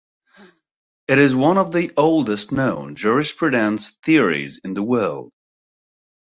It is one of the oldest known jurisprudence theories in the world.